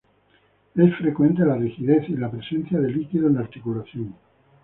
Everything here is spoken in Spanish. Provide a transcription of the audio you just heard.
Es frecuente la rigidez y la presencia de líquido en la articulación.